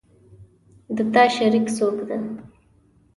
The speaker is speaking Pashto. د تا شریک څوک ده